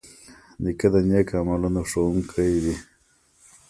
نیکه د نیک عملونو ښوونکی وي.